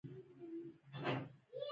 سترګې یې له اوښکو وچې کړې، بیا په ژړا شوه.